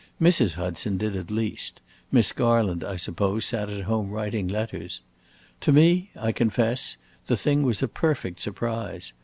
Mrs. Hudson did, at least; Miss Garland, I suppose, sat at home writing letters. To me, I confess, the thing was a perfect surprise.